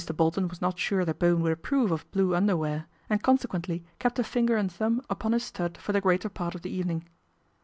Bolton was not sure that Bowen would approve of blue underwear, and conse quently kept a finger and thumb upon his stud for the greater part of the evening.